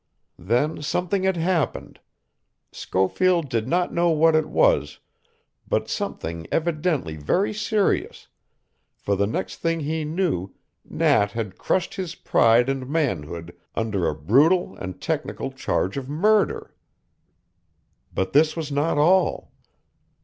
Then something had happened. Schofield did not know what it was, but something evidently very serious, for the next thing he knew Nat had crushed his pride and manhood under a brutal and technical charge of murder. But this was not all.